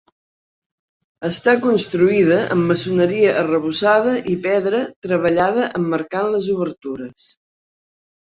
Està construïda amb maçoneria arrebossada i pedra treballada emmarcant les obertures.